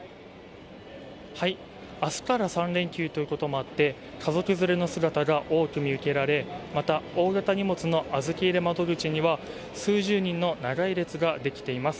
明日から３連休ということもあって家族連れの姿が多く見受けられ、また、大型荷物の預け入れ窓口には数十人の長い列ができています。